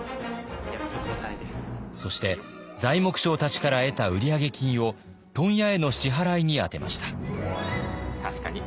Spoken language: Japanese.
そして材木商たちから得た売上金を問屋への支払いに充てました。